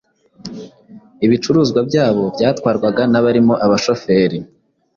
Ibicuruzwa byabo byatwarwaga n’abarimo abashoferi